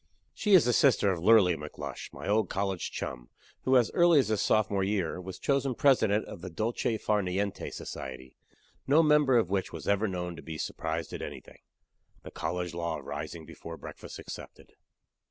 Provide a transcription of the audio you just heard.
She is the sister of Lurly McLush, my old college chum, who, as early as his sophomore year, was chosen president of the Dolce far niente Society no member of which was ever known to be surprised at anything (the college law of rising before breakfast excepted).